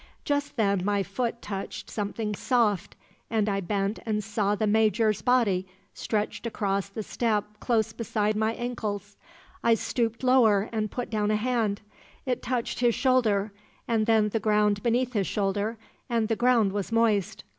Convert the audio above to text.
Just then my boot touched something soft, and I bent and saw the Major's body stretched across the step close beside my ankles. I stooped lower and put down a hand. It touched his shoulder, and then the ground beneath his shoulder, and the ground was moist.